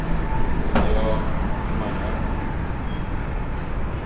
Vyo é mana kü,